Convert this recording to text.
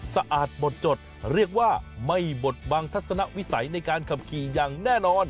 สะอาดบดจดเรียกว่าไม่บดบังทัศนวิสัยในการขับขี่อย่างแน่นอน